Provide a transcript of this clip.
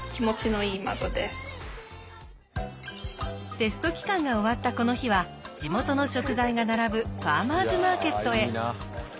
テスト期間が終わったこの日は地元の食材が並ぶファーマーズマーケットへ。